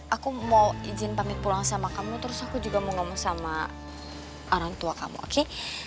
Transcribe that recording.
aku mau izin pamit pulang sama kamu terus aku juga mau ngomong sama orang tua kamu oki